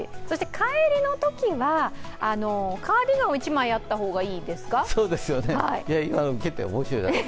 そして帰りのときは、カーディガン１枚あった方がいいですかね。